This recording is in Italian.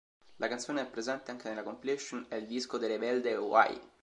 La canzone è presente anche nella compilation "El disco de Rebelde Way".